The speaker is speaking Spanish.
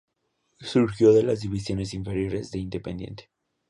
Surgió de las divisiones inferiores de Independiente.